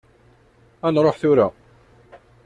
Ad nruḥ tura.